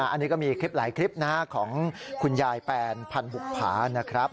อันนี้ก็มีคลิปหลายคลิปของคุณยายแปนพันธุภานะครับ